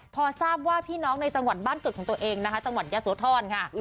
พอทราบว่าพี่น้องในจังหวัดบ้านเกิดของตัวเองนะคะจังหวัดยะโสธรค่ะ